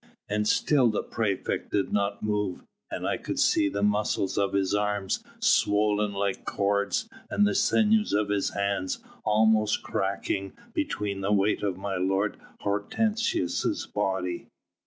And still the praefect did not move, and I could see the muscles of his arms swollen like cords and the sinews of his hands almost cracking beneath the weight of my lord Hortensius' body."